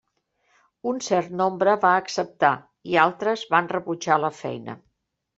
Un cert nombre va acceptar i altres van rebutjar la feina.